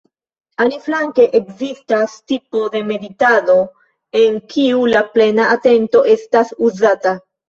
Aliflanke ekzistas tipo de meditado en kiu la "plena atento estas uzata".